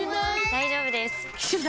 大丈夫です！